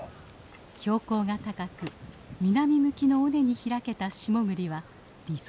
標高が高く南向きの尾根に開けた下栗は理想的な環境なのです。